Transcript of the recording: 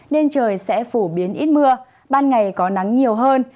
nên trời sẽ phổ biến ít mưa ban ngày có nắng nhiều hơn